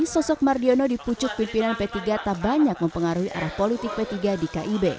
sosok mardiono di pucuk pimpinan p tiga tak banyak mempengaruhi arah politik p tiga di kib